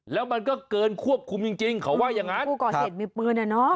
แล้วมันก็เกินควบคุมจริงจริงเขาว่าอย่างงั้นผู้ก่อเหตุมีปืนอ่ะเนอะ